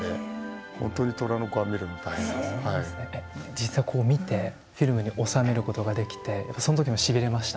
実際見てフィルムに収めることができてその時もしびれました？